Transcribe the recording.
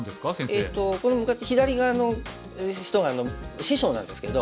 えっとこれ向かって左側の人が師匠なんですけど。